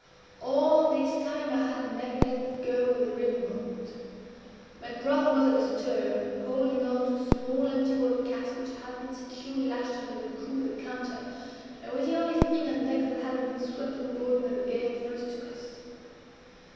All this time I had never let go of the ring bolt. My brother was at stern, holding on to a small empty water cask which had been securely lashed under the coop of the counter, and was the only thing on deck that had not been swept overboard when the gale first took us.